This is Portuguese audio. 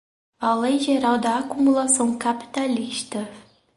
A lei geral da acumulação capitalista